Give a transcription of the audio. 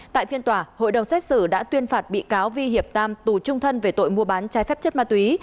tại phiên tòa hội đồng xét xử đã tuyên phạt bị cáo vi hiệp tam tù trung thân về tội mua bán trái phép chất ma túy